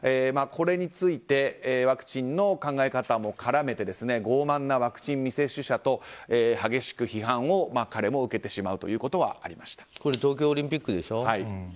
これについてワクチンの考え方も絡めて傲慢なワクチン未接種者と激しく批判を彼も受けてしまうということがこれ、東京オリンピックでしょ。